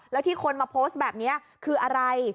แล้วที่คนมาโพสต์แบบนี้คืออะไร